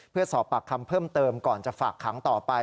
เพื่อสอบปากคำเพิ่มเติมก่อนจะฝากขังต่อไป